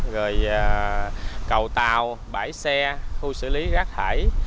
rồi cầu tàu bãi xe khu xử lý rác thải